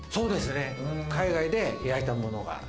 海外で焼いたもの。